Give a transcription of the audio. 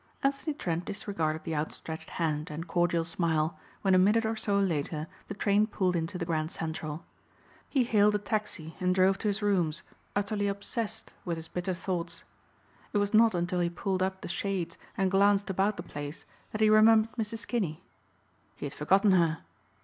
Anthony Trent disregarded the outstretched hand and cordial smile, when a minute or so later, the train pulled into the Grand Central. He hailed a taxi and drove to his rooms utterly obsessed with his bitter thoughts. It was not until he pulled up the shades and glanced about the place that he remembered Mrs. Kinney. He had forgotten her.